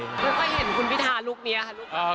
ก็ได้เห็นคุณพิธาลูกเนี่ยค่ะลูกค่ะ